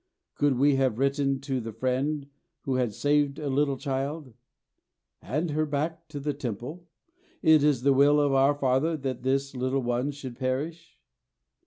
Could we have written to the friend who had saved a little child: "Hand her back to the Temple. It is the will of our Father that this little one should perish"?